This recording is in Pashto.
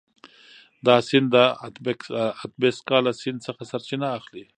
دا سیند د اتبسکا له سیند څخه سرچینه اخلي.